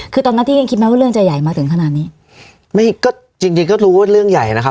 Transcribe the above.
คือตอนนั้นพี่ยังคิดไหมว่าเรื่องจะใหญ่มาถึงขนาดนี้ไม่ก็จริงจริงก็รู้ว่าเรื่องใหญ่นะครับ